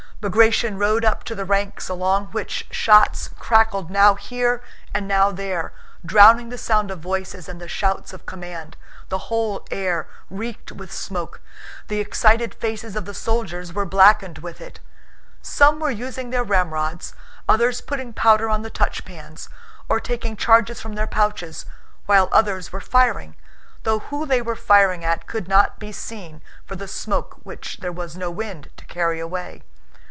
Bagratión rode up to the ranks along which shots crackled now here and now there, drowning the sound of voices and the shouts of command. The whole air reeked with smoke. The excited faces of the soldiers were blackened with it. Some were using their ramrods, others putting powder on the touchpans or taking charges from their pouches, while others were firing, though who they were firing at could not be seen for the smoke which there was no wind to carry away.